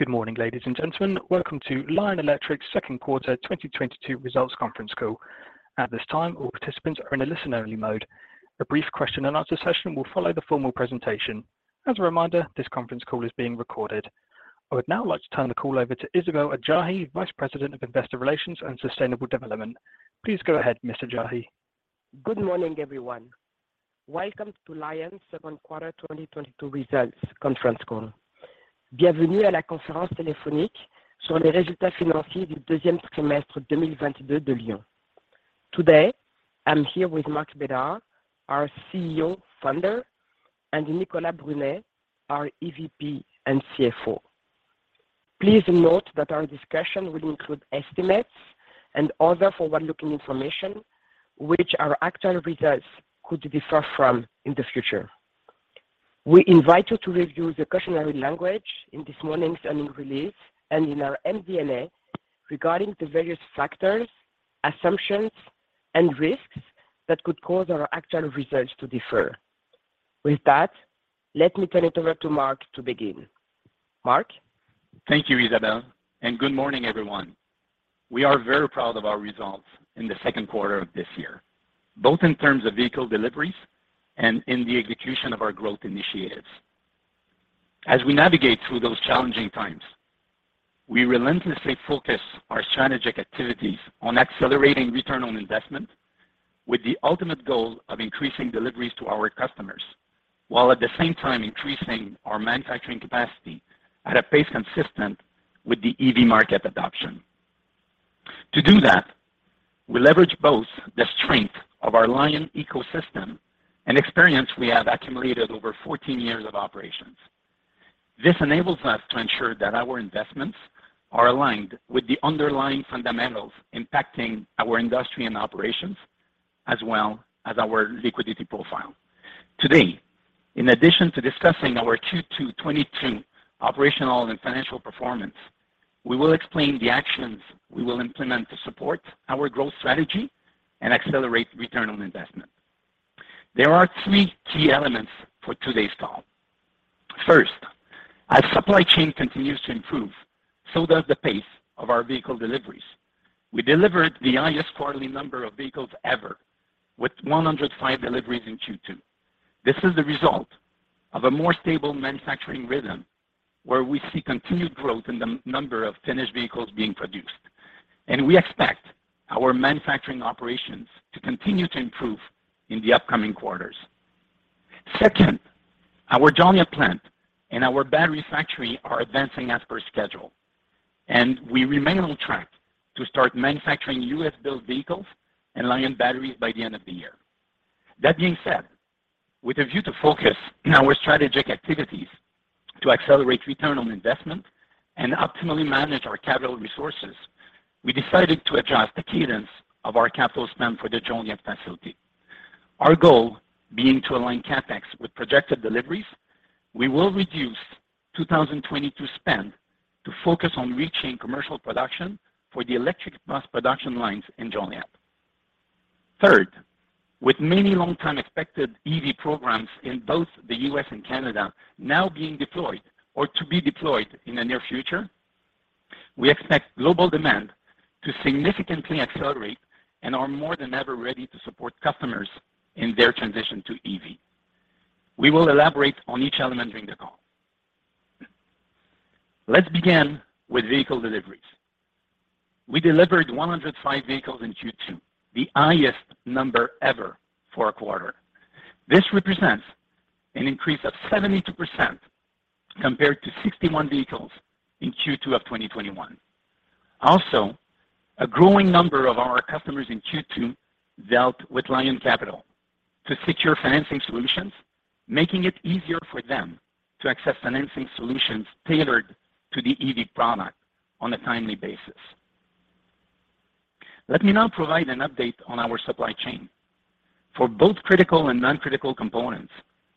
Good morning, ladies and gentlemen. Welcome to Lion Electric's second quarter 2022 results conference call. At this time, all participants are in a listen-only mode. A brief question and answer session will follow the formal presentation. As a reminder, this conference call is being recorded. I would now like to turn the call over to Isabelle Adjahi, Vice President of Investor Relations and Sustainable Development. Please go ahead, Ms. Adjahi. Good morning, everyone. Welcome to Lion second quarter 2022 results conference call. Today, I'm here with Marc Bédard, our CEO and founder, and Nicolas Brunet, our EVP and CFO. Please note that our discussion will include estimates and other forward-looking information which our actual results could differ from in the future. We invite you to review the cautionary language in this morning's earnings release and in our MD&A regarding the various factors, assumptions, and risks that could cause our actual results to differ. With that, let me turn it over to Marc to begin. Marc. Thank you, Isabelle, and good morning, everyone. We are very proud of our results in the second quarter of this year, both in terms of vehicle deliveries and in the execution of our growth initiatives. As we navigate through those challenging times, we relentlessly focus our strategic activities on accelerating return on investment with the ultimate goal of increasing deliveries to our customers, while at the same time increasing our manufacturing capacity at a pace consistent with the EV market adoption. To do that, we leverage both the strength of our Lion ecosystem and experience we have accumulated over 14 years of operations. This enables us to ensure that our investments are aligned with the underlying fundamentals impacting our industry and operations, as well as our liquidity profile. Today, in addition to discussing our Q2 2022 operational and financial performance, we will explain the actions we will implement to support our growth strategy and accelerate return on investment. There are three key elements for today's call. First, as supply chain continues to improve, so does the pace of our vehicle deliveries. We delivered the highest quarterly number of vehicles ever with 105 deliveries in Q2. This is the result of a more stable manufacturing rhythm, where we see continued growth in the number of finished vehicles being produced. We expect our manufacturing operations to continue to improve in the upcoming quarters. Second, our Joliet plant and our battery factory are advancing as per schedule, and we remain on track to start manufacturing U.S.-built vehicles and Lion batteries by the end of the year. That being said, with a view to focus in our strategic activities to accelerate return on investment and optimally manage our capital resources, we decided to adjust the cadence of our capital spend for the Joliet facility. Our goal being to align CapEx with projected deliveries, we will reduce 2022 spend to focus on reaching commercial production for the electric bus production lines in Joliet. Third, with many long-time expected EV programs in both the U.S. and Canada now being deployed or to be deployed in the near future, we expect global demand to significantly accelerate and are more than ever ready to support customers in their transition to EV. We will elaborate on each element during the call. Let's begin with vehicle deliveries. We delivered 105 vehicles in Q2, the highest number ever for a quarter. This represents an increase of 72% compared to 61 vehicles in Q2 of 2021. A growing number of our customers in Q2 dealt with LionCapital to secure financing solutions, making it easier for them to access financing solutions tailored to the EV product on a timely basis. Let me now provide an update on our supply chain. For both critical and non-critical components,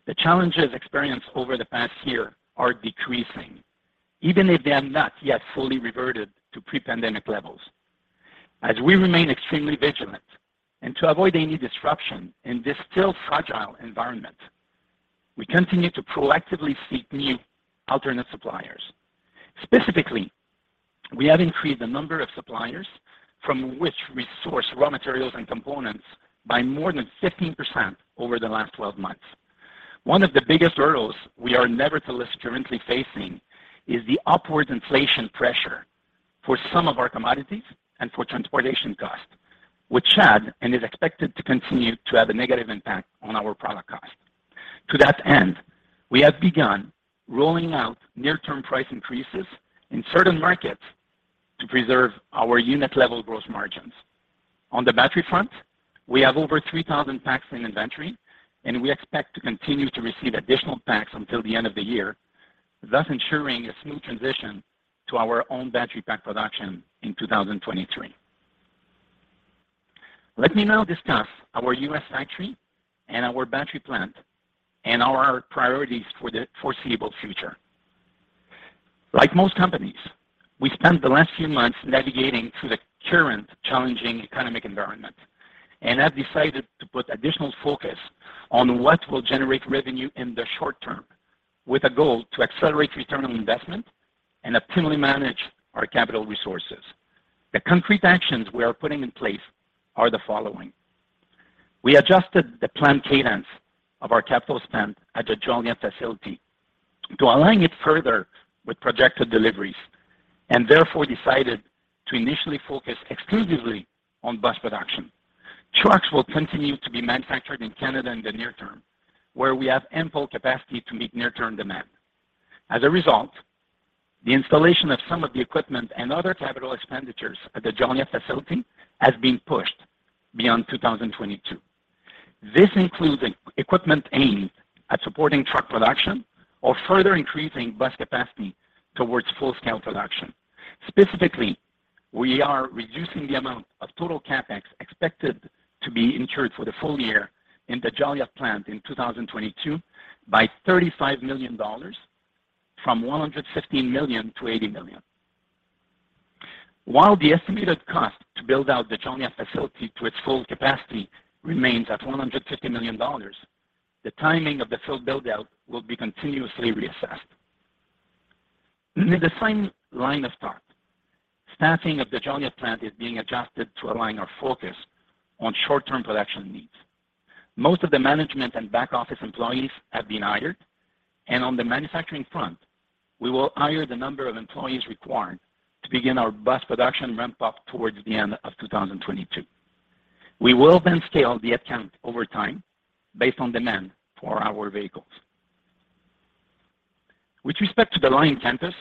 the challenges experienced over the past year are decreasing, even if they have not yet fully reverted to pre-pandemic levels. We remain extremely vigilant and to avoid any disruption in this still fragile environment, we continue to proactively seek new alternate suppliers. Specifically, we have increased the number of suppliers from which we source raw materials and components by more than 15% over the last 12 months. One of the biggest hurdles we are nevertheless currently facing is the upward inflation pressure for some of our commodities and for transportation costs, which had and is expected to continue to have a negative impact on our product cost. To that end, we have begun rolling out near-term price increases in certain markets to preserve our unit level growth margins. On the battery front, we have over 3,000 packs in inventory, and we expect to continue to receive additional packs until the end of the year, thus ensuring a smooth transition to our own battery pack production in 2023. Let me now discuss our U.S. factory and our battery plant and our priorities for the foreseeable future. Like most companies. We spent the last few months navigating through the current challenging economic environment and have decided to put additional focus on what will generate revenue in the short term with a goal to accelerate return on investment and optimally manage our capital resources. The concrete actions we are putting in place are the following. We adjusted the planned cadence of our capital spend at the Joliet facility to align it further with projected deliveries, and therefore decided to initially focus exclusively on bus production. Trucks will continue to be manufactured in Canada in the near term, where we have ample capacity to meet near-term demand. As a result, the installation of some of the equipment and other capital expenditures at the Joliet facility has been pushed beyond 2022. This includes equipment aimed at supporting truck production or further increasing bus capacity towards full-scale production. Specifically, we are reducing the amount of total CapEx expected to be incurred for the full year in the Joliet plant in 2022 by $35 million from $150 million-$80 million. While the estimated cost to build out the Joliet facility to its full capacity remains at $150 million, the timing of the full build-out will be continuously reassessed. In the same line of thought, staffing of the Joliet plant is being adjusted to align our focus on short-term production needs. Most of the management and back-office employees have been hired, and on the manufacturing front, we will hire the number of employees required to begin our bus production ramp-up towards the end of 2022. We will then scale the headcount over time based on demand for our vehicles. With respect to the Lion Campus,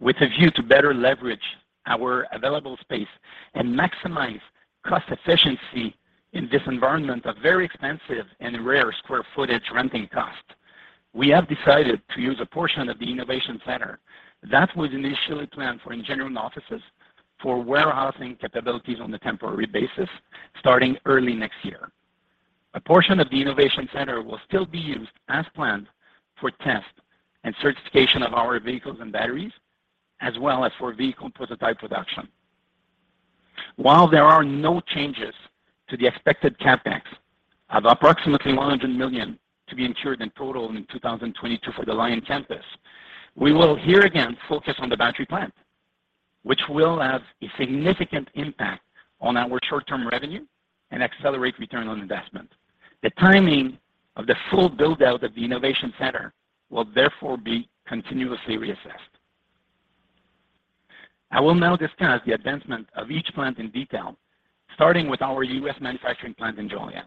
with a view to better leverage our available space and maximize cost efficiency in this environment of very expensive and rare square footage renting cost, we have decided to use a portion of the innovation center that was initially planned for engineering offices for warehousing capabilities on a temporary basis starting early next year. A portion of the innovation center will still be used as planned for test and certification of our vehicles and batteries, as well as for vehicle prototype production. While there are no changes to the expected CapEx of approximately 100 million to be incurred in total in 2022 for the Lion Campus, we will here again focus on the battery plant, which will have a significant impact on our short-term revenue and accelerate return on investment. The timing of the full build-out of the innovation center will therefore be continuously reassessed. I will now discuss the advancement of each plant in detail, starting with our U.S. manufacturing plant in Joliet.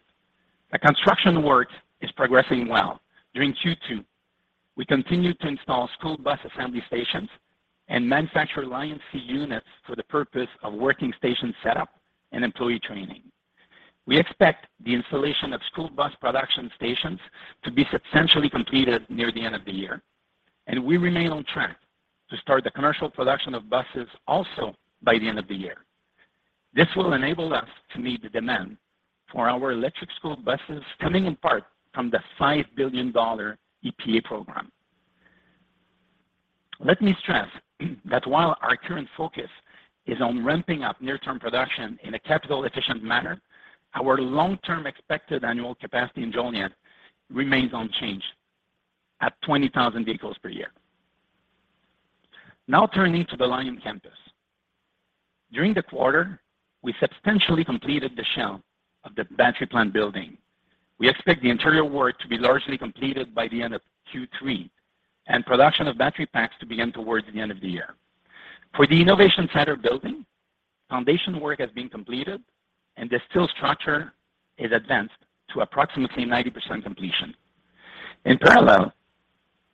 The construction work is progressing well. During Q2, we continued to install school bus assembly stations and manufacture LionC units for the purpose of working station setup and employee training. We expect the installation of school bus production stations to be substantially completed near the end of the year, and we remain on track to start the commercial production of buses also by the end of the year. This will enable us to meet the demand for our electric school buses coming in part from the $5 billion EPA program. Let me stress that while our current focus is on ramping up near-term production in a capital efficient manner, our long-term expected annual capacity in Joliet remains unchanged at 20,000 vehicles per year. Now turning to the Lion Campus. During the quarter, we substantially completed the shell of the battery plant building. We expect the interior work to be largely completed by the end of Q3, and production of battery packs to begin towards the end of the year. For the innovation center building, foundation work has been completed and the steel structure is advanced to approximately 90% completion. In parallel,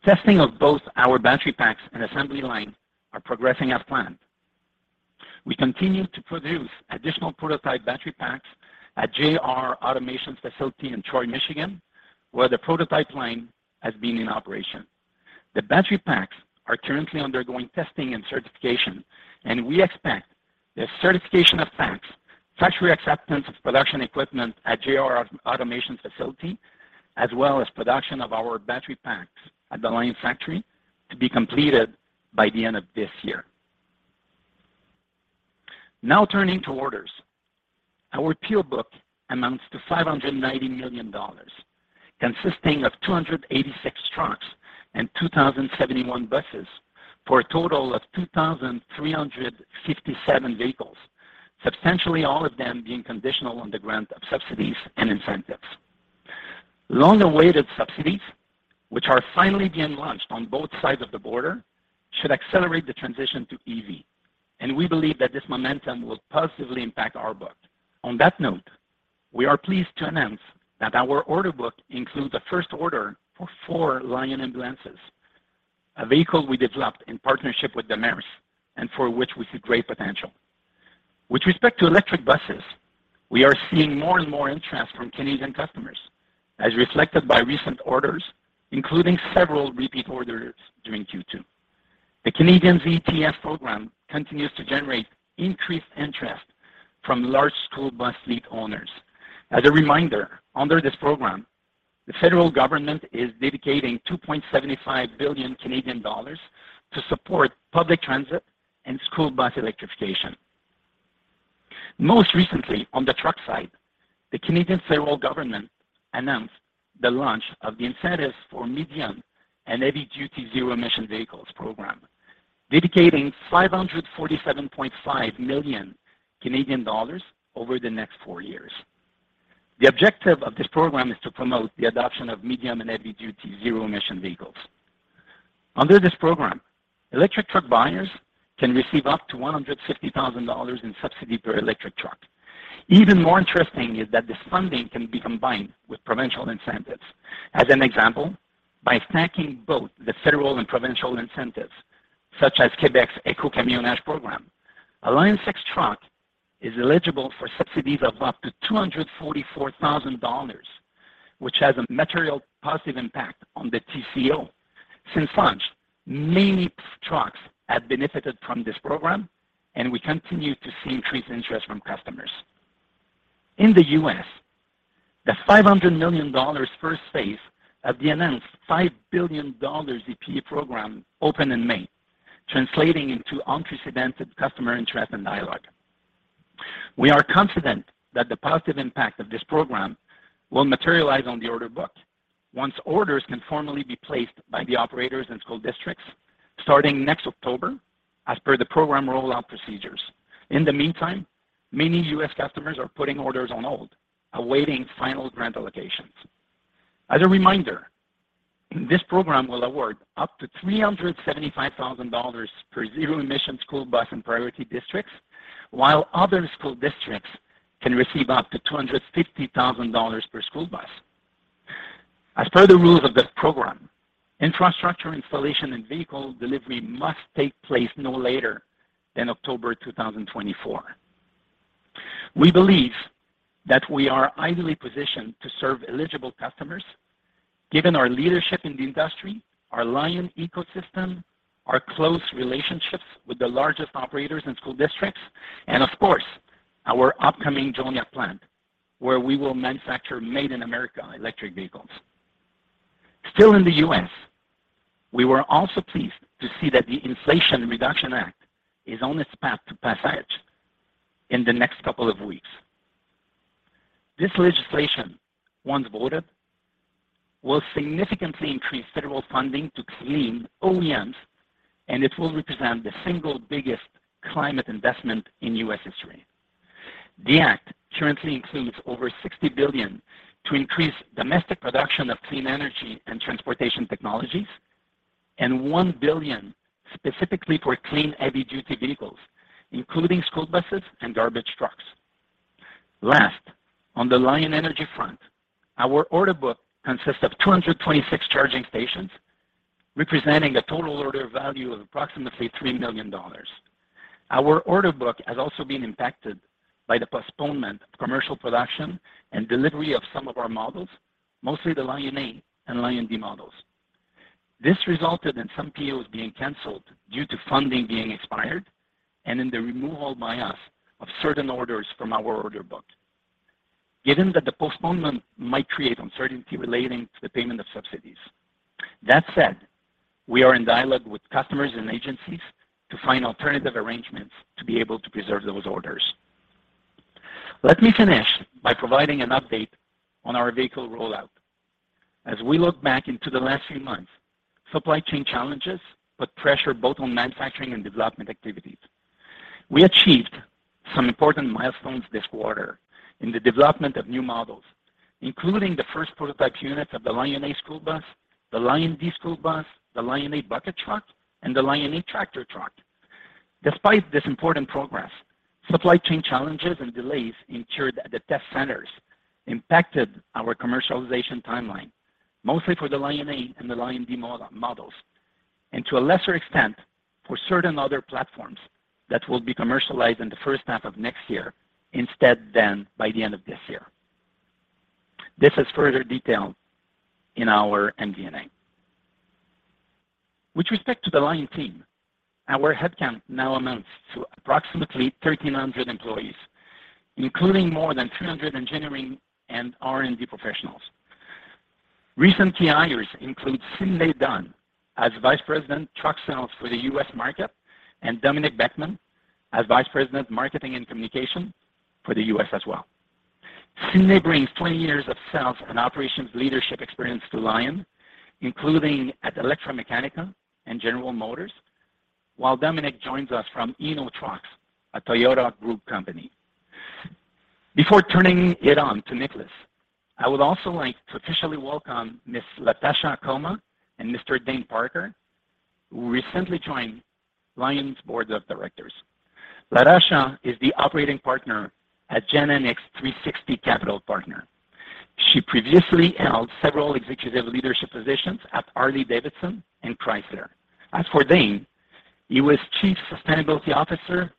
testing of both our battery packs and assembly line are progressing as planned. We continue to produce additional prototype battery packs at JR Automation's facility in Troy, Michigan, where the prototype line has been in operation. The battery packs are currently undergoing testing and certification, and we expect the certification of packs, factory acceptance of production equipment at JR Automation's facility, as well as production of our battery packs at the Lion factory to be completed by the end of this year. Now turning to orders. Our order book amounts to $590 million, consisting of 286 trucks and 2,071 buses for a total of 2,357 vehicles, substantially all of them being conditional on the grant of subsidies and incentives. Long-awaited subsidies, which are finally being launched on both sides of the border, should accelerate the transition to EV, and we believe that this momentum will positively impact our book. On that note, we are pleased to announce that our order book includes a first order for four Lion ambulances, a vehicle we developed in partnership with Demers Ambulances and for which we see great potential. With respect to electric buses, we are seeing more and more interest from Canadian customers, as reflected by recent orders, including several repeat orders during Q2. The Canadian ZEF program continues to generate increased interest from large school bus fleet owners. As a reminder, under this program, the federal government is dedicating 2.75 billion Canadian dollars to support public transit and school bus electrification. Most recently, on the truck side, the Canadian federal government announced the launch of the Incentives for Medium- and Heavy-Duty Zero-Emission Vehicles program, dedicating 547.5 million Canadian dollars over the next four years. The objective of this program is to promote the adoption of medium- and heavy-duty zero-emission vehicles. Under this program, electric truck buyers can receive up to 150,000 dollars in subsidy per electric truck. Even more interesting is that this funding can be combined with provincial incentives. As an example, by stacking both the federal and provincial incentives, such as Quebec's Écocamionnage program, a Lion6 truck is eligible for subsidies of up to 244,000 dollars, which has a material positive impact on the TCO. Since launch, many trucks have benefited from this program, and we continue to see increased interest from customers. In the U.S., the $500 million first phase of the announced $5 billion EPA program opened in May, translating into unprecedented customer interest and dialogue. We are confident that the positive impact of this program will materialize on the order book once orders can formally be placed by the operators and school districts starting next October as per the program rollout procedures. In the meantime, many U.S. customers are putting orders on hold, awaiting final grant allocations. As a reminder, this program will award up to $375,000 per zero-emission school bus in priority districts, while other school districts can receive up to $250,000 per school bus. As per the rules of this program, infrastructure installation and vehicle delivery must take place no later than October 2024. We believe that we are ideally positioned to serve eligible customers given our leadership in the industry, our Lion ecosystem, our close relationships with the largest operators and school districts, and of course, our upcoming Joliet plant, where we will manufacture made in America electric vehicles. Still in the U.S., we were also pleased to see that the Inflation Reduction Act is on its path to passage in the next couple of weeks. This legislation, once voted, will significantly increase federal funding to clean OEMs, and it will represent the single biggest climate investment in U.S. history. The act currently includes over $60 billion to increase domestic production of clean energy and transportation technologies and $1 billion specifically for clean heavy-duty vehicles, including school buses and garbage trucks. Last, on the LionEnergy front, our order book consists of 226 charging stations, representing a total order value of approximately $3 million. Our order book has also been impacted by the postponement of commercial production and delivery of some of our models, mostly the LionA and LionC models. This resulted in some POs being canceled due to funding being expired and in the removal by us of certain orders from our order book, given that the postponement might create uncertainty relating to the payment of subsidies. That said, we are in dialogue with customers and agencies to find alternative arrangements to be able to preserve those orders. Let me finish by providing an update on our vehicle rollout. As we look back into the last few months, supply chain challenges put pressure both on manufacturing and development activities. We achieved some important milestones this quarter in the development of new models, including the first prototype units of the LionA school bus, the LionD school bus, the LionA bucket truck, and the LionA tractor truck. Despite this important progress, supply chain challenges and delays in test centers impacted our commercialization timeline, mostly for the LionA and the LionD models, and to a lesser extent for certain other platforms that will be commercialized in the first half of next year instead of by the end of this year. This is further detailed in our MD&A. With respect to the Lion team, our headcount now amounts to approximately 1,300 employees, including more than 300 engineering and R&D professionals. Recent hires include Sydney Dunn as Vice President, Truck Sales for the US market, and Dominik Beckman as Vice President, Marketing and Communication for the U.S. as well. Sydney brings 20 years of sales and operations leadership experience to Lion, including at ElectraMeccanica and General Motors, while Dominik joins us from Hino Trucks, a Toyota Group company. Before turning it over to Nicolas, I would also like to officially welcome Ms. Latasha Akoma and Mr. Dane Parker, who recently joined Lion's board of directors. Latasha is the Operating Partner at GenNx360 Capital Partners. She previously held several executive leadership positions at Harley-Davidson and Chrysler. As for Dane, he was Chief Sustainability Officer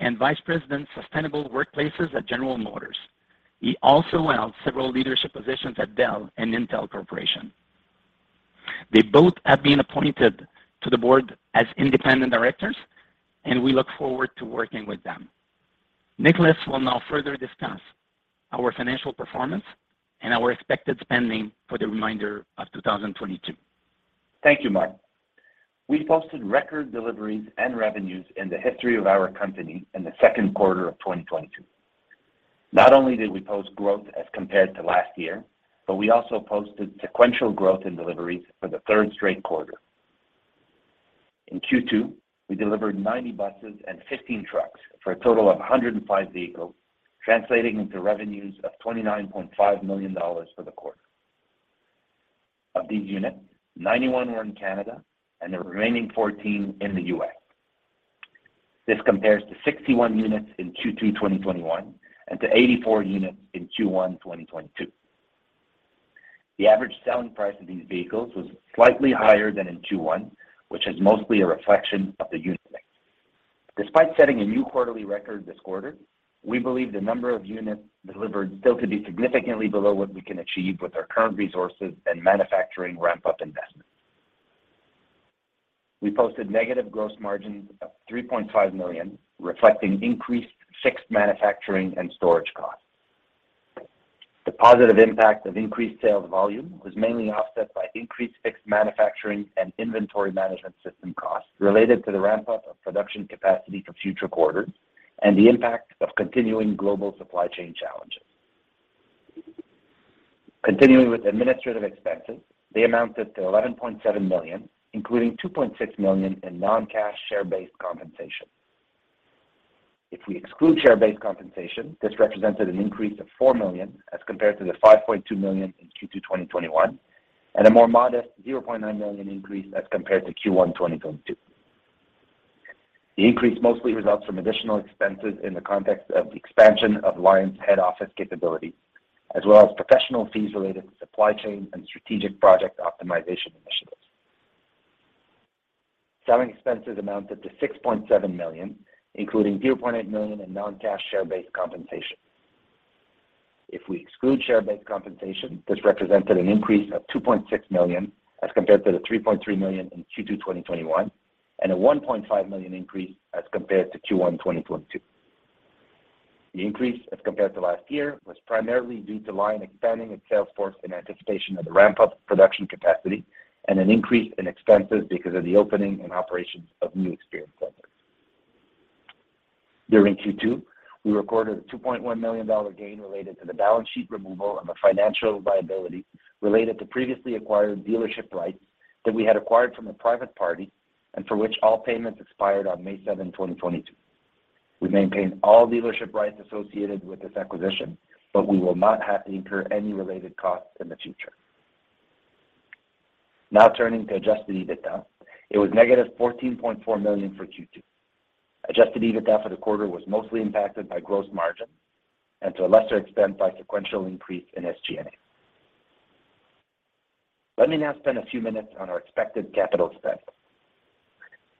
and Vice President, Sustainable Workplaces at General Motors. He also held several leadership positions at Dell and Intel Corporation. They both have been appointed to the board as independent directors, and we look forward to working with them. Nicolas will now further discuss our financial performance and our expected spending for the remainder of 2022. Thank you, Marc. We posted record deliveries and revenues in the history of our company in the second quarter of 2022. Not only did we post growth as compared to last year, but we also posted sequential growth in deliveries for the third straight quarter. In Q2, we delivered 90 buses and 15 trucks for a total of 105 vehicles, translating into revenues of $29.5 million for the quarter. Of these units, 91 were in Canada and the remaining 14 in the U.S. This compares to 61 units in Q2 2021 and to 84 units in Q1 2022. The average selling price of these vehicles was slightly higher than in Q1, which is mostly a reflection of the unit mix. Despite setting a new quarterly record this quarter, we believe the number of units delivered still to be significantly below what we can achieve with our current resources and manufacturing ramp-up investments. We posted negative gross margins of 3.5 million, reflecting increased fixed manufacturing and storage costs. The positive impact of increased sales volume was mainly offset by increased fixed manufacturing and inventory management system costs related to the ramp-up of production capacity for future quarters and the impact of continuing global supply chain challenges. Continuing with administrative expenses, they amounted to 11.7 million, including 2.6 million in non-cash share-based compensation. If we exclude share-based compensation, this represented an increase of 4 million as compared to the 5.2 million in Q2 2021, and a more modest 0.9 million increase as compared to Q1 2022. The increase mostly results from additional expenses in the context of the expansion of Lion's head office capability, as well as professional fees related to supply chain and strategic project optimization initiatives. Selling expenses amounted to 6.7 million, including 0.8 million in non-cash share-based compensation. If we exclude share-based compensation, this represented an increase of 2.6 million as compared to the 3.3 million in Q2 2021, and a 1.5 million increase as compared to Q1 2022. The increase as compared to last year was primarily due to Lion expanding its sales force in anticipation of the ramp-up production capacity and an increase in expenses because of the opening and operations of new experience centers. During Q2, we recorded a $2.1 million gain related to the balance sheet removal of a financial liability related to previously acquired dealership rights that we had acquired from a private party and for which all payments expired on May 7, 2022. We maintain all dealership rights associated with this acquisition, but we will not have to incur any related costs in the future. Now turning to Adjusted EBITDA, it was $-14.4 million for Q2. Adjusted EBITDA for the quarter was mostly impacted by gross margin and to a lesser extent, by sequential increase in SG&A. Let me now spend a few minutes on our expected capital spend.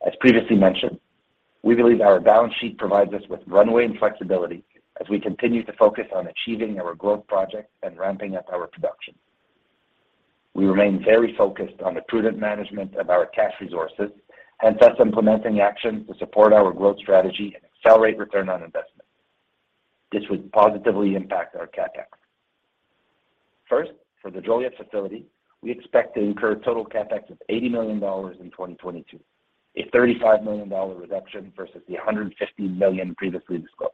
As previously mentioned, we believe our balance sheet provides us with runway and flexibility as we continue to focus on achieving our growth projects and ramping up our production. We remain very focused on the prudent management of our cash resources and thus implementing actions to support our growth strategy and accelerate return on investment. This would positively impact our CapEx. First, for the Joliet facility, we expect to incur total CapEx of 80 million dollars in 2022, a 35 million dollar reduction versus a 150 million previously disclosed.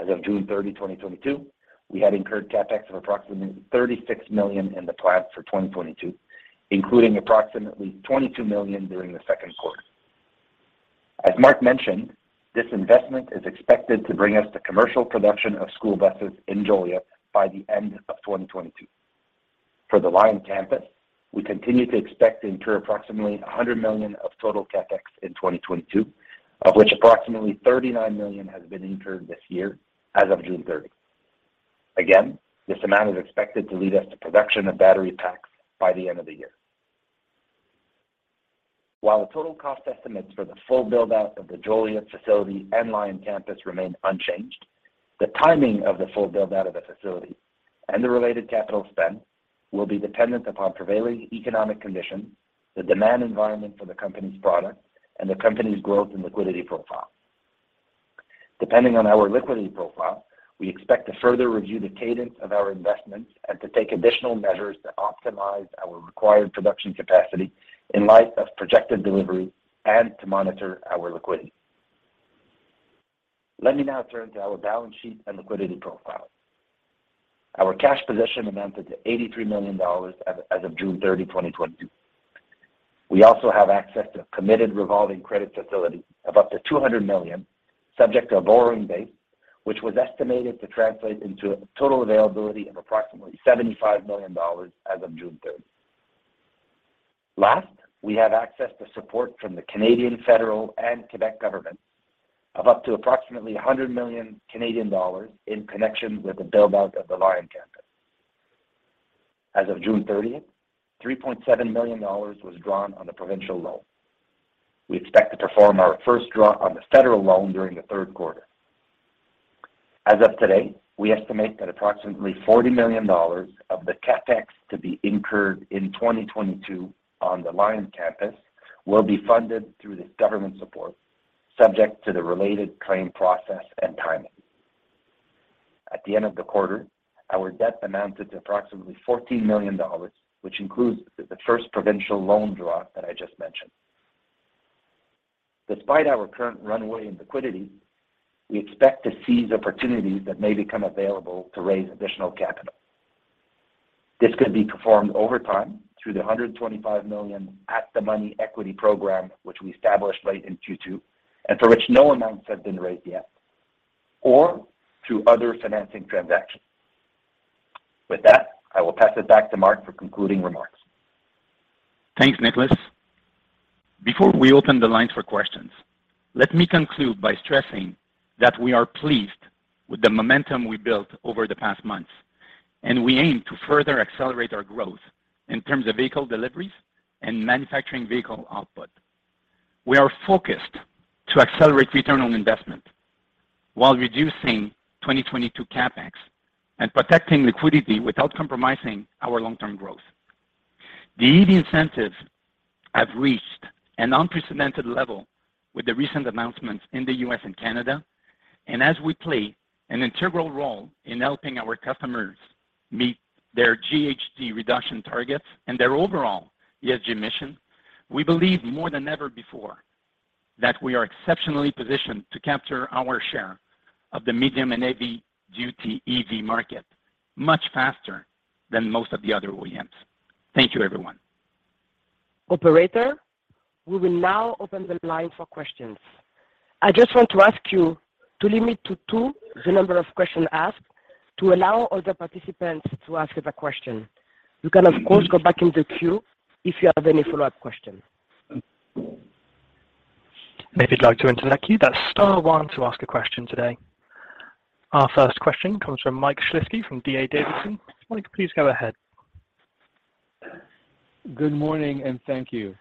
As of June 30, 2022, we had incurred CapEx of approximately 36 million in the plant for 2022, including approximately 22 million during the second quarter. As Marc mentioned, this investment is expected to bring us to commercial production of school buses in Joliet by the end of 2022. For the Lion Campus, we continue to expect to incur approximately 100 million of total CapEx in 2022, of which approximately 39 million has been incurred this year as of June 30. Again, this amount is expected to lead us to production of battery packs by the end of the year. While the total cost estimates for the full build-out of the Joliet facility and Lion Campus remain unchanged, the timing of the full build-out of the facility and the related capital spend will be dependent upon prevailing economic conditions, the demand environment for the company's products, and the company's growth and liquidity profile. Depending on our liquidity profile, we expect to further review the cadence of our investments and to take additional measures to optimize our required production capacity in light of projected deliveries and to monitor our liquidity. Let me now turn to our balance sheet and liquidity profile. Our cash position amounted to 83 million dollars as of June 30, 2022. We also have access to a committed revolving credit facility of up to 200 million, subject to borrowing base, which was estimated to translate into a total availability of approximately 75 million dollars as of June 3rd. Last, we have access to support from the Canadian federal and Quebec governments of up to approximately 100 million Canadian dollars in connection with the build-out of the Lion Campus. As of June 30th, 3.7 million dollars was drawn on the provincial loan. We expect to perform our first draw on the federal loan during the third quarter. As of today, we estimate that approximately 40 million dollars of the CapEx to be incurred in 2022 on the Lion Campus will be funded through this government support, subject to the related claim process and timing. At the end of the quarter, our debt amounted to approximately 14 million dollars, which includes the first provincial loan draw that I just mentioned. Despite our current runway and liquidity, we expect to seize opportunities that may become available to raise additional capital. This could be performed over time through the 125 million at-the-money equity program, which we established late in Q2 and for which no amounts have been raised yet, or through other financing transactions. With that, I will pass it back to Marc for concluding remarks. Thanks, Nicolas. Before we open the lines for questions, let me conclude by stressing that we are pleased with the momentum we built over the past months, and we aim to further accelerate our growth in terms of vehicle deliveries and manufacturing vehicle output. We are focused to accelerate return on investment while reducing 2022 CapEx and protecting liquidity without compromising our long-term growth. The EV incentives have reached an unprecedented level with the recent announcements in the U.S. and Canada, and as we play an integral role in helping our customers meet their GHG reduction targets and their overall ESG mission, we believe more than ever before that we are exceptionally positioned to capture our share of the medium and heavy-duty EV market much faster than most of the other OEMs. Thank you, everyone. Operator, we will now open the line for questions. I just want to ask you to limit to two the number of questions asked to allow other participants to ask their question. You can of course go back in the queue if you have any follow-up questions. If you'd like to interact, press star one to ask a question today. Our first question comes from Michael Shlisky from D.A. Davidson. Mike, please go ahead. Good morning, and thank you.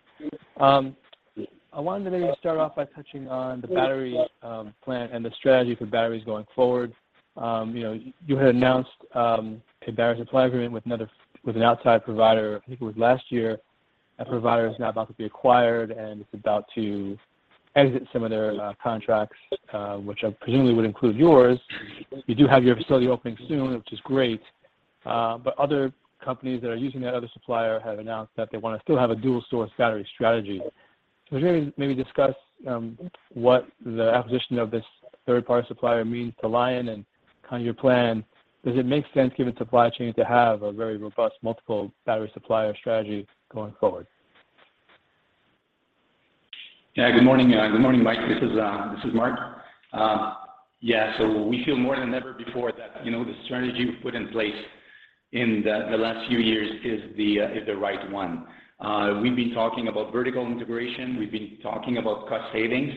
I wanted to maybe start off by touching on the battery plan and the strategy for batteries going forward. You had announced a battery supply agreement with an outside provider, I think it was last year. That provider is now about to be acquired, and it's about to exit some of their contracts, which I presumably would include yours. You do have your facility opening soon, which is great. Other companies that are using that other supplier have announced that they want to still have a dual-source battery strategy. I was wondering if maybe discuss what the acquisition of this third-party supplier means to Lion and kind of your plan. Does it make sense, given supply chain, to have a very robust multiple battery supplier strategy going forward? Yeah. Good morning. Good morning, Michael Schlichter. This is Marc Bédard. Yeah. We feel more than ever before that, you know, the strategy we put in place in the last few years is the right one. We've been talking about vertical integration. We've been talking about cost savings,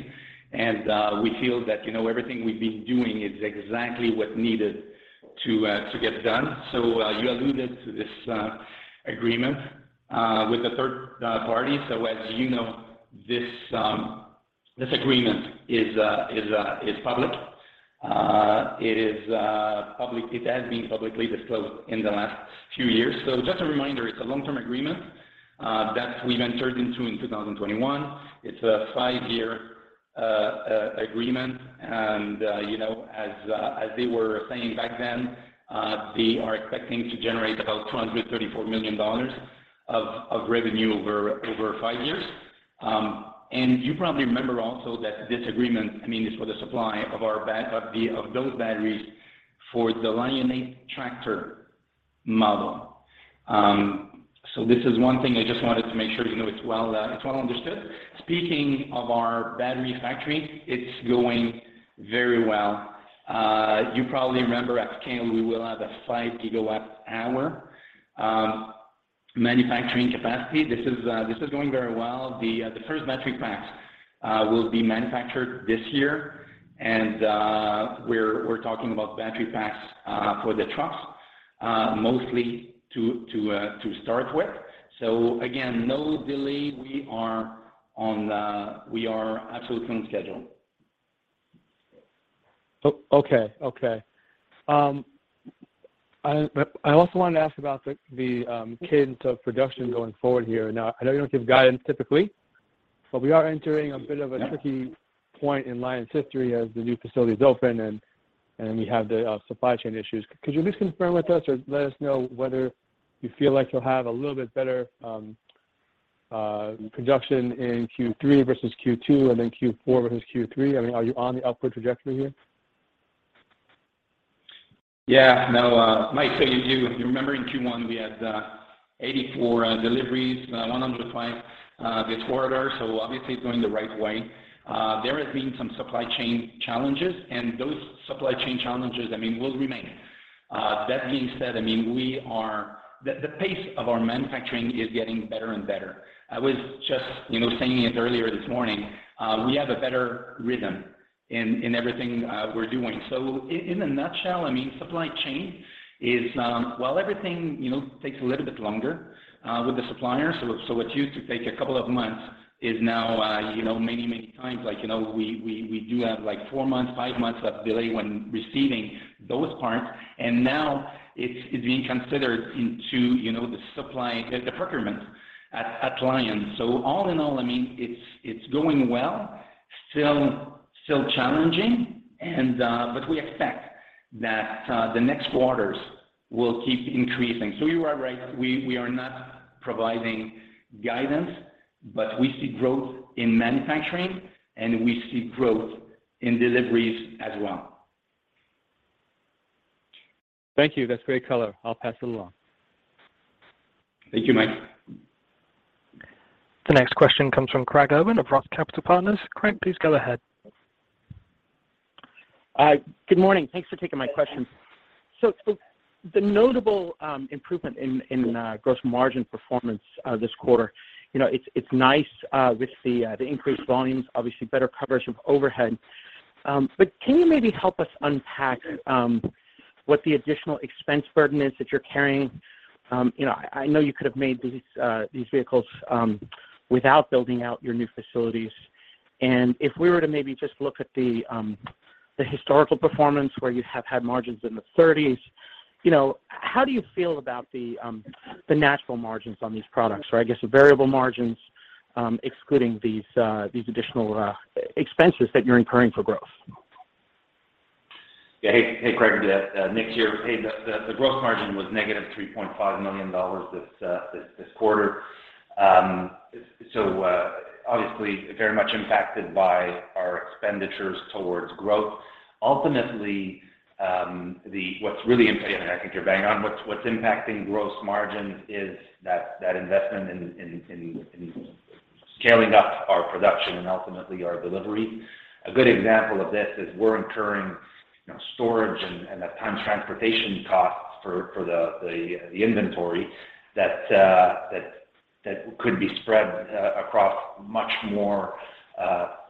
and we feel that, you know, everything we've been doing is exactly what's needed to get done. You alluded to this agreement with the third party. As you know, this agreement is public. It is public. It has been publicly disclosed in the last few years. Just a reminder, it's a long-term agreement that we've entered into in 2021. It's a five-year agreement. You know, as they were saying back then, they are expecting to generate about $234 million of revenue over five years. You probably remember also that this agreement, I mean, is for the supply of our batteries for the Lion8 tractor model. This is one thing I just wanted to make sure, you know, it's well understood. Speaking of our battery factory, it's going very well. You probably remember at scale, we will have a 5 GWh manufacturing capacity. This is going very well. The first battery packs will be manufactured this year. We're talking about battery packs for the trucks, mostly to start with. Again, no delay. We are absolutely on schedule. Okay. I also wanted to ask about the cadence of production going forward here. Now, I know you don't give guidance typically, but we are entering a bit of a tricky point in Lion's history as the new facility is open and we have the supply chain issues. Could you just confirm with us or let us know whether you feel like you'll have a little bit better production in Q3 versus Q2 and then Q4 versus Q3? I mean, are you on the upward trajectory here? Yeah. No, Michael, so you do. If you remember in Q1, we had 84 deliveries, 105 this quarter, so obviously it's going the right way. There has been some supply chain challenges, and those supply chain challenges, I mean, will remain. That being said, I mean, we are. The pace of our manufacturing is getting better and better. I was just, you know, saying it earlier this morning, we have a better rhythm in everything we're doing. In a nutshell, I mean, supply chain is, while everything, you know, takes a little bit longer with the suppliers. What used to take a couple of months is now, you know, many, many times. Like, you know, we do have like four months, five months of delay when receiving those parts. Now it's being considered into, you know, the procurement at Lion. All in all, I mean, it's going well, still challenging. We expect that the next quarters will keep increasing. You are right, we are not providing guidance, but we see growth in manufacturing, and we see growth in deliveries as well. Thank you. That's great color. I'll pass it along. Thank you, Michael. The next question comes from Craig Irwin of Roth Capital Partners. Craig, please go ahead. Good morning. Thanks for taking my question. The notable improvement in gross margin performance this quarter, you know, it's nice with the increased volumes, obviously better coverage of overhead. Can you maybe help us unpack what the additional expense burden is that you're carrying? You know, I know you could have made these vehicles without building out your new facilities. If we were to maybe just look at the historical performance where you have had margins in the thirties, you know, how do you feel about the natural margins on these products, or I guess the variable margins excluding these additional expenses that you're incurring for growth? Yeah. Hey, Craig. Nicolas here. Hey, the gross margin was $-3.5 million this quarter. So, obviously very much impacted by our expenditures towards growth. Ultimately, what's really impacting. I think you're bang on, what's impacting gross margins is that investment in scaling up our production and ultimately our delivery. A good example of this is we're incurring, you know, storage and at times transportation costs for the inventory that could be spread across much more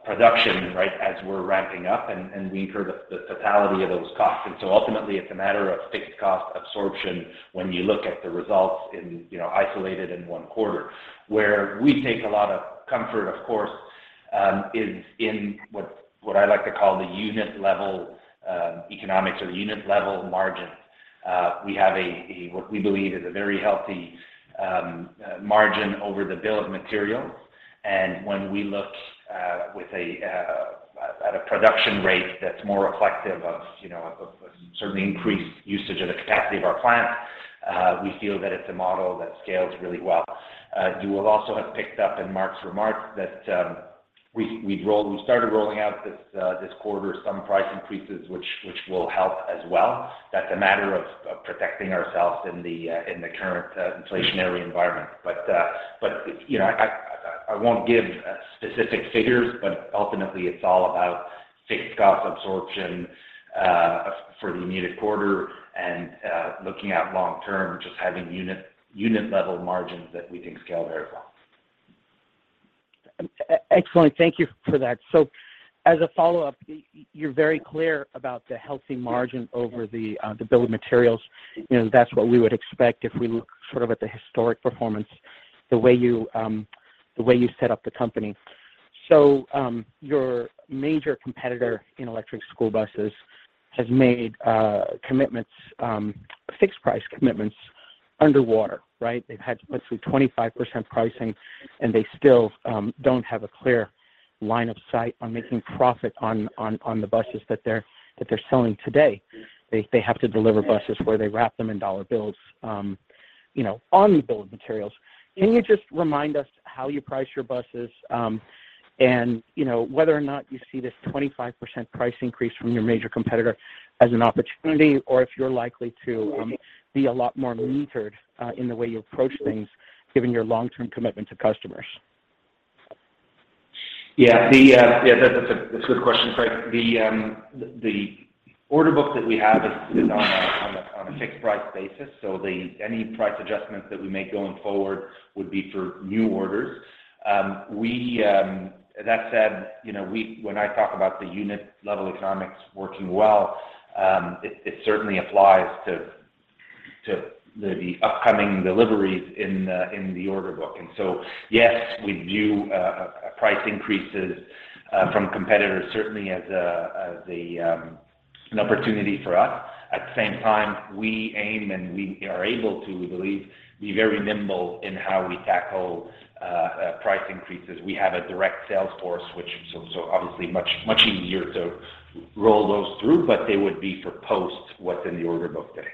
production, right, as we're ramping up, and we incur the totality of those costs. Ultimately it's a matter of fixed cost absorption when you look at the results in, you know, isolated in one quarter. Where we take a lot of comfort, of course, is in what I like to call the unit level economics or the unit level margins. We have what we believe is a very healthy margin over the bill of materials. When we look at a production rate that's more reflective of, you know, sort of the increased usage of the capacity of our plant, we feel that it's a model that scales really well. You will also have picked up in Marc's remarks that we started rolling out this quarter some price increases, which will help as well. That's a matter of protecting ourselves in the current inflationary environment. You know, I won't give specific figures, but ultimately it's all about fixed cost absorption for the immediate quarter and looking at long term, just having unit level margins that we think scale very well. Excellent. Thank you for that. As a follow-up, you're very clear about the healthy margin over the bill of materials. You know, that's what we would expect if we look sort of at the historic performance, the way you set up the company. Your major competitor in electric school buses has made commitments, fixed price commitments underwater, right? They've had basically 25% pricing, and they still don't have a clear line of sight on making profit on the buses that they're selling today. They have to deliver buses where they wrap them in dollar bills, you know, on the bill of materials. Can you just remind us how you price your buses, and you know, whether or not you see this 25% price increase from your major competitor as an opportunity, or if you're likely to be a lot more measured in the way you approach things given your long-term commitment to customers? Yeah. That's a good question, Craig. The order book that we have is on a fixed price basis, so any price adjustments that we make going forward would be for new orders. That said, you know, when I talk about the unit level economics working well, it certainly applies to the upcoming deliveries in the order book. Yes, we view price increases from competitors certainly as an opportunity for us. At the same time, we aim and we are able to, we believe, be very nimble in how we tackle price increases. We have a direct sales force, which so obviously much easier to roll those through, but they would be for post, what's in the order book today.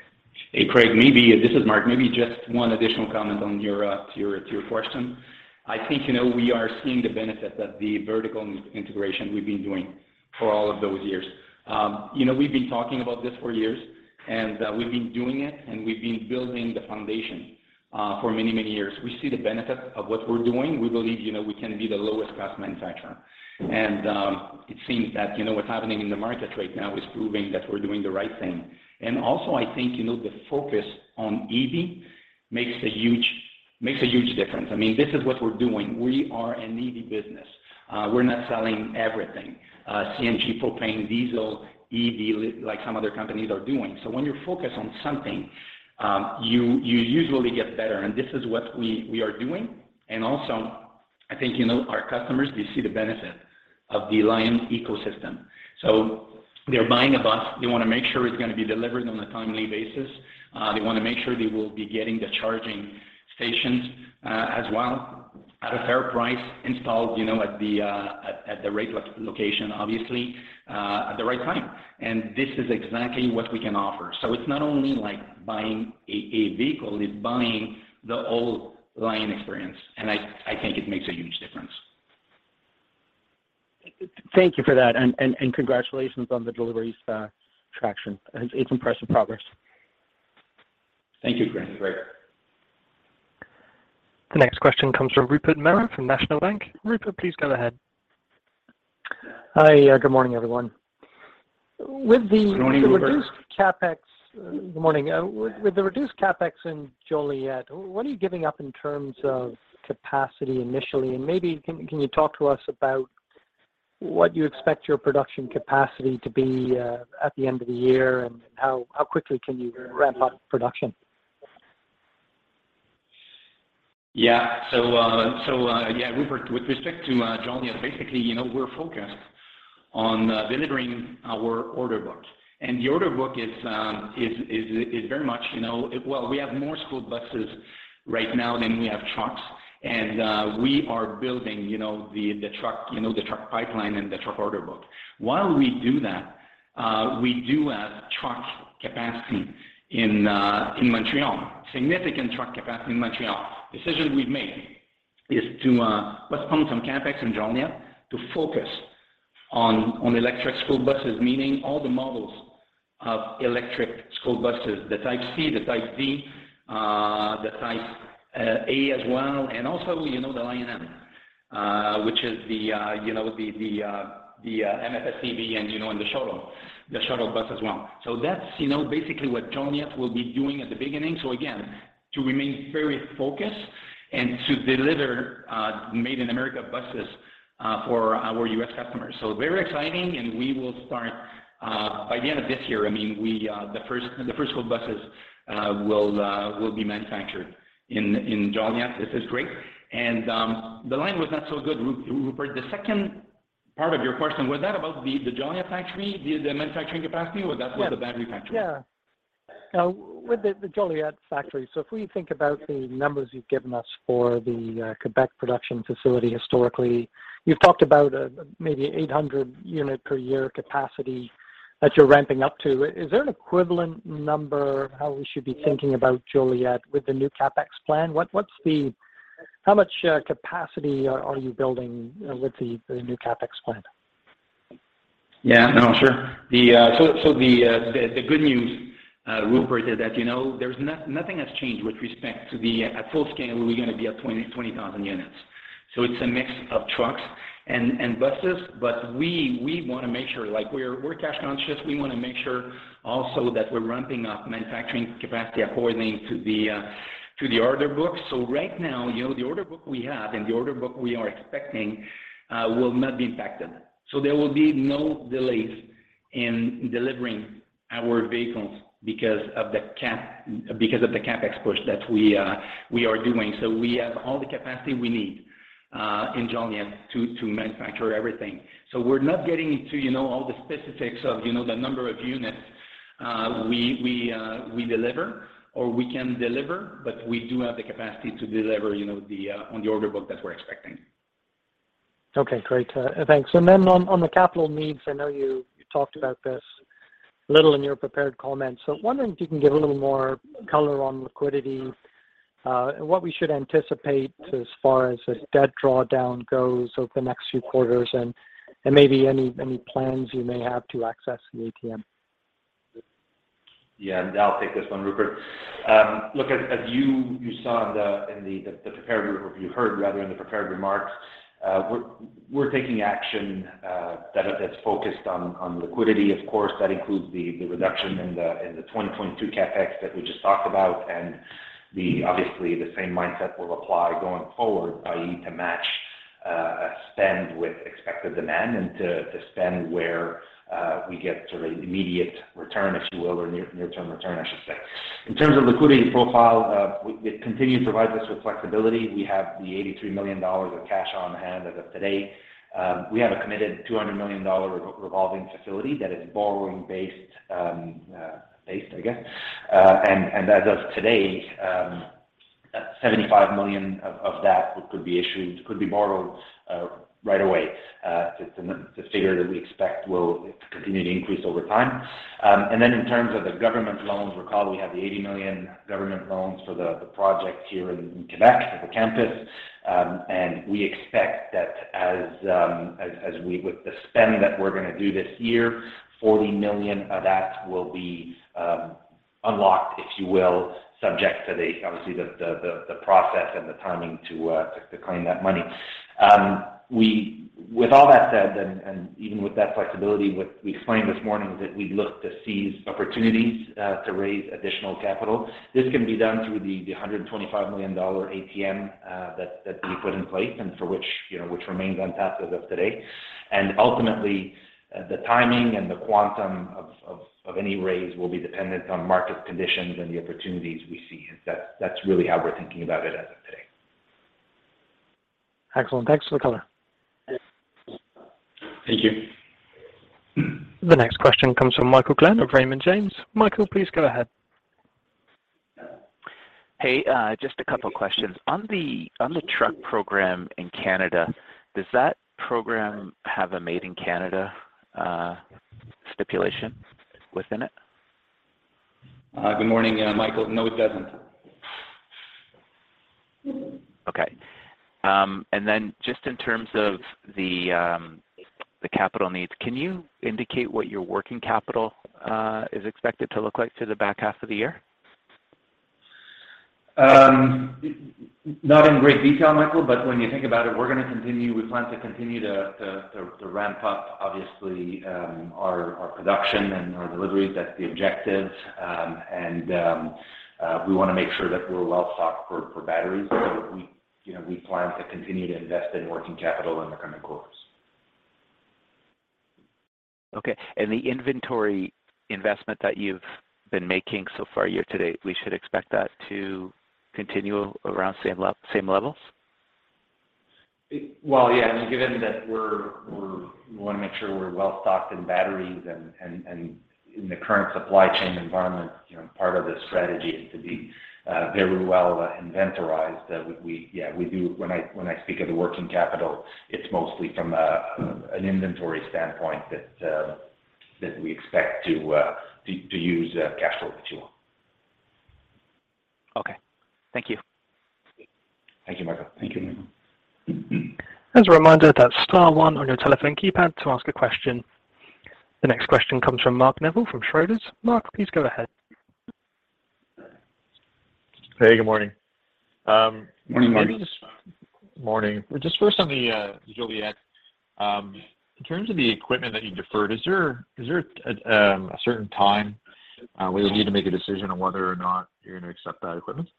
Hey, Craig. This is Marc. Maybe just one additional comment on to your question. I think, you know, we are seeing the benefit that the vertical integration we've been doing for all of those years. You know, we've been talking about this for years, and we've been doing it, and we've been building the foundation for many years. We see the benefit of what we're doing. We believe, you know, we can be the lowest cost manufacturer. It seems that, you know, what's happening in the market right now is proving that we're doing the right thing. I think, you know, the focus on EV makes a huge difference. I mean, this is what we're doing. We are an EV business. We're not selling everything, CNG, propane, diesel, EV, like some other companies are doing. So when you're focused on something, you usually get better, and this is what we are doing. I think, you know, our customers, they see the benefit of the Lion ecosystem. So they're buying a bus, they wanna make sure it's gonna be delivered on a timely basis. They wanna make sure they will be getting the charging stations, as well at a fair price installed, you know, at the right location, obviously, at the right time. This is exactly what we can offer. It's not only like buying a vehicle, it's buying the whole Lion experience, and I think it makes a huge difference. Thank you for that. Congratulations on the deliveries, traction. It's impressive progress. Thank you, Craig. Great. The next question comes from Rupert Merer from National Bank Financial. Rupert, please go ahead. Hi. Yeah, good morning, everyone. Good morning, Rupert. Good morning. With the reduced CapEx in Joliet, what are you giving up in terms of capacity initially? Maybe can you talk to us about what you expect your production capacity to be at the end of the year and how quickly can you ramp up production? Yeah. So, yeah, Rupert, with respect to Joliet, basically, you know, we're focused on delivering our order books. The order book is very much, you know. Well, we have more school buses right now than we have trucks, and we are building, you know, the truck, you know, the truck pipeline and the truck order book. While we do that, we do have truck capacity in Montreal, significant truck capacity in Montreal. Decision we've made is to postpone some CapEx in Joliet to focus on electric school buses, meaning all the models of electric school buses, the Type C, the Type D, the Type A as well, and also, you know, the LionM, which is the, you know, the MFSAB, and, you know, and the shuttle bus as well. That's, you know, basically what Joliet will be doing at the beginning. Again, to remain very focused and to deliver made in America buses for our U.S. customers. Very exciting, and we will start by the end of this year. I mean, the first school buses will be manufactured in Joliet. This is great. The line was not so good, Rupert. The second part of your question, was that about the Joliet factory, the manufacturing capacity, or that was the battery factory? Now with the Joliet factory, if we think about the numbers you've given us for the Quebec production facility historically, you've talked about maybe 800 units per year capacity that you're ramping up to. Is there an equivalent number how we should be thinking about Joliet with the new CapEx plan? How much capacity are you building with the new CapEx plan? Yeah. No, sure. The good news, Rupert, is that, you know, nothing has changed with respect to the at full scale, we're gonna be at 20,000 units. It's a mix of trucks and buses, but we wanna make sure, like we're cash conscious. We wanna make sure also that we're ramping up manufacturing capacity accordingly to the order book. Right now, you know, the order book we have and the order book we are expecting will not be impacted. There will be no delays in delivering our vehicles because of the CapEx push that we are doing. We have all the capacity we need in Joliet to manufacture everything. We're not getting into, you know, all the specifics of, you know, the number of units we deliver or we can deliver, but we do have the capacity to deliver, you know, on the order book that we're expecting. Okay, great. Thanks. Then on the capital needs, I know you talked about this a little in your prepared comments. Wondering if you can give a little more color on liquidity, and what we should anticipate as far as debt drawdown goes over the next few quarters and maybe any plans you may have to access the ATM. Yeah. I'll take this one, Rupert. Look, as you heard rather in the prepared remarks, we're taking action that's focused on liquidity. Of course, that includes the reduction in the 20.2 CapEx that we just talked about. Obviously, the same mindset will apply going forward, i.e., to match spend with expected demand and to spend where we get sort of immediate return, if you will, or near-term return, I should say. In terms of liquidity profile, it continues to provide us with flexibility. We have 83 million dollars of cash on hand as of today. We have a committed 200 million dollar revolving facility that is borrowing base, based, I guess. As of today, 75 million of that could be issued, could be borrowed right away. It's a figure that we expect will continue to increase over time. Then in terms of the government loans, recall we have the 80 million government loans for the project here in Quebec for the campus. We expect that as with the spend that we're gonna do this year, 40 million of that will be unlocked, if you will, subject to, obviously, the process and the timing to claim that money. With all that said, and even with that flexibility, what we explained this morning, that we look to seize opportunities to raise additional capital. This can be done through the $125 million ATM that we put in place and for which, you know, which remains untapped as of today. Ultimately, the timing and the quantum of any raise will be dependent on market conditions and the opportunities we see. That's really how we're thinking about it as of today. Excellent. Thanks for the color. Thank you. The next question comes from Michael Glen of Raymond James. Michael, please go ahead. Hey, just a couple questions. On the truck program in Canada, does that program have a made in Canada stipulation within it? Good morning, Michael. No, it doesn't. Okay. Just in terms of the capital needs, can you indicate what your working capital is expected to look like through the back half of the year? Not in great detail, Michael, but when you think about it, we plan to continue to ramp up, obviously, our production and our deliveries. That's the objective. We wanna make sure that we're well-stocked for batteries. You know, we plan to continue to invest in working capital in the coming quarters. Okay. The inventory investment that you've been making so far year to date, we should expect that to continue around same levels? Well, yeah, I mean, given that we wanna make sure we're well-stocked in batteries and in the current supply chain environment, you know, part of the strategy is to be very well inventoried. Yeah, when I speak of the working capital, it's mostly from an inventory standpoint that we expect to use cash flow if you want. Okay. Thank you. Thank you, Michael. Thank you. As a reminder, that's star one on your telephone keypad to ask a question. The next question comes from Mark Neville from Scotiabank. Mark, please go ahead. Hey, good morning. Morning, Mark. Morning. Just first on the Joliet. In terms of the equipment that you deferred, is there a certain time where you'll need to make a decision on whether or not you're gonna accept that equipment?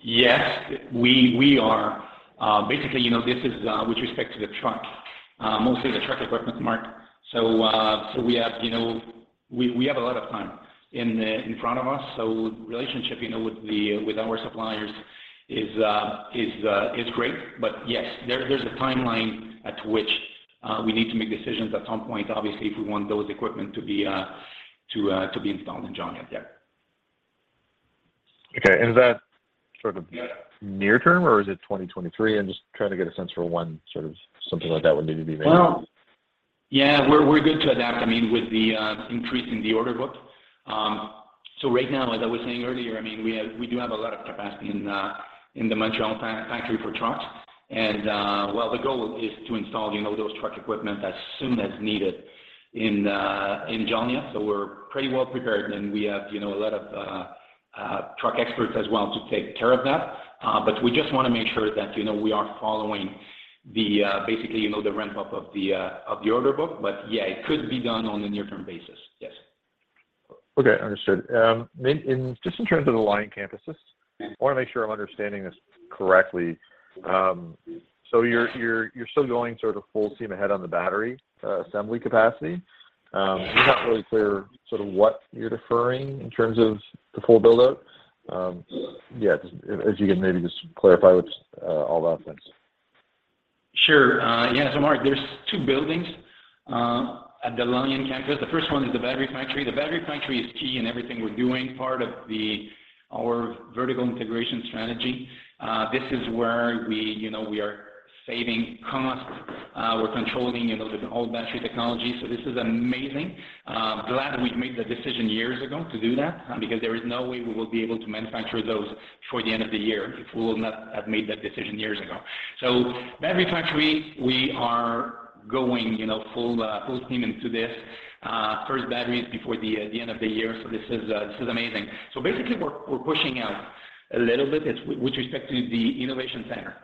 Yes. We are basically, you know, this is with respect to the truck, mostly the truck equipment market. We have, you know, a lot of time in front of us. Relationship, you know, with our suppliers is great. Yes, there's a timeline at which we need to make decisions at some point, obviously, if we want those equipment to be installed in Joliet, yeah. Okay. Is that sort of near term or is it 2023? I'm just trying to get a sense for when sort of something like that would need to be made. Well, yeah, we're good to that. I mean, with the increase in the order book. So right now, as I was saying earlier, I mean, we do have a lot of capacity in the Montreal factory for trucks. Well, the goal is to install, you know, those truck equipment as soon as needed in Joliet. So we're pretty well prepared, and we have, you know, a lot of truck experts as well to take care of that. But we just wanna make sure that, you know, we are following basically, you know, the ramp up of the order book. But yeah, it could be done on a near-term basis. Yes. Okay. Understood. Just in terms of the Lion Campuses, I wanna make sure I'm understanding this correctly. You're still going sort of full steam ahead on the battery assembly capacity. You're not really clear sort of what you're deferring in terms of the full build-out. Yeah, just as you can maybe just clarify what's all that, thanks. Sure. Yeah, Mark, there's two buildings at the Lion Campus. The first one is the battery factory. The battery factory is key in everything we're doing, part of our vertical integration strategy. This is where we, you know, we are saving costs. We're controlling, you know, the all battery technology. This is amazing. Glad we made the decision years ago to do that, because there is no way we will be able to manufacture those before the end of the year if we will not have made that decision years ago. Battery factory, we are going, you know, full steam into this. First battery is before the end of the year. This is amazing. Basically, we're pushing out a little bit. It's with respect to the innovation center.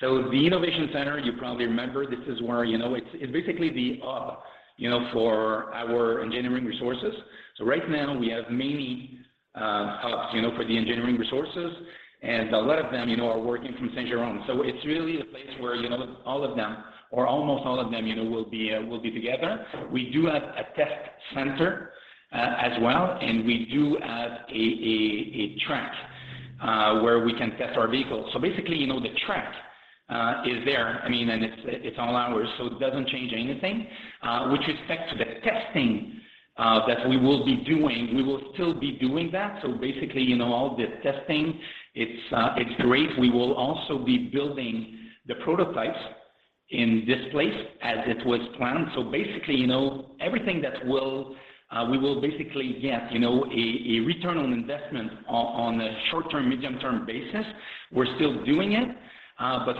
The innovation center, you probably remember this is where, you know, it's basically the hub, you know, for our engineering resources. Right now we have many hubs, you know, for the engineering resources, and a lot of them, you know, are working from Saint-Jérôme. It's really a place where, you know, all of them or almost all of them, you know, will be together. We do have a test center as well, and we do have a track where we can test our vehicles. Basically, you know, the track is there. I mean, and it's all ours, so it doesn't change anything. With respect to the testing that we will be doing, we will still be doing that. Basically, you know, all the testing, it's great. We will also be building the prototypes in this place as it was planned. Basically, you know, everything that we will basically get, you know, a return on investment on a short-term, medium-term basis, we're still doing it.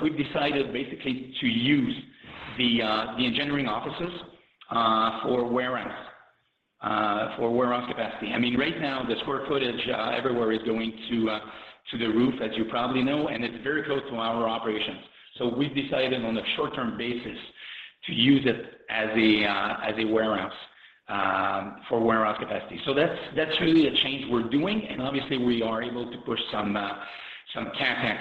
We've decided basically to use the engineering offices for warehouse capacity. I mean, right now the square footage everywhere is going to the roof, as you probably know, and it's very close to our operations. We've decided on a short-term basis to use it as a warehouse for warehouse capacity. That's really a change we're doing, and obviously we are able to push some CapEx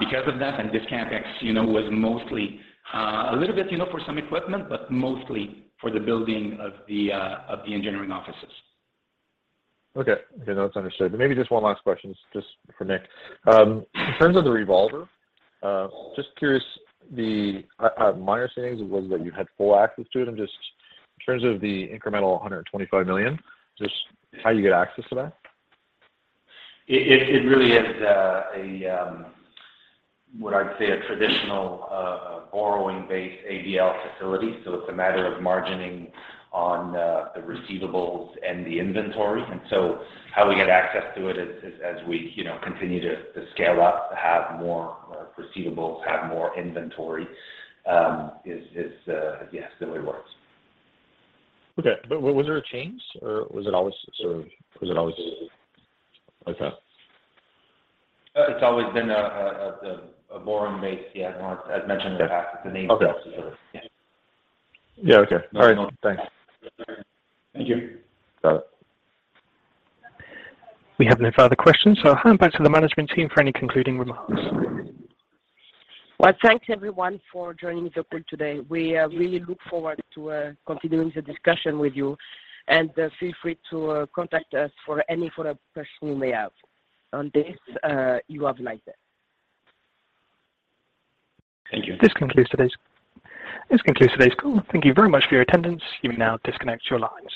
because of that. This CapEx, you know, was mostly a little bit, you know, for some equipment, but mostly for the building of the engineering offices. Okay. Okay, that's understood. Maybe just one last question just for Nicolas. In terms of the revolver, just curious, my understanding was that you had full access to it. Just in terms of the incremental 125 million, just how you get access to that? It really is what I'd say a traditional borrowing-based ABL facility. It's a matter of margining on the receivables and the inventory. How we get access to it is as we you know continue to scale up, have more receivables, have more inventory yes, the way it works. Okay. Was there a change or was it always sort of, was it always like that? It's always been a borrowing base, yeah. As I mentioned in the past with the names of the services. Okay. Yeah, okay. All right, thanks. Thank you. Got it. We have no further questions, so I'll hand back to the management team for any concluding remarks. Well, thanks everyone for joining the call today. We really look forward to continuing the discussion with you. Feel free to contact us for any further questions you may have. On this, you have a nice day. Thank you. This concludes today's call. Thank you very much for your attendance. You may now disconnect your lines.